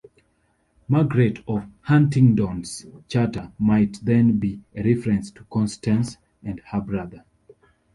Margaret of Huntingdon's charter might then be a reference to Constance and her brother.